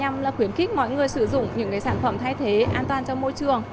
nhằm là khuyến khích mọi người sử dụng những sản phẩm thay thế an toàn cho môi trường